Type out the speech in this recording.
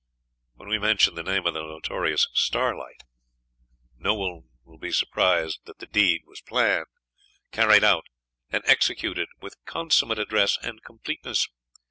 When we mention the name of the notorious 'Starlight', no one will be surprised that the deed was planned, carried out, and executed with consummate address and completeness.